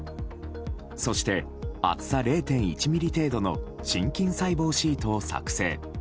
そして、厚さ０．１ｍｍ程度の心筋細胞シートを作製。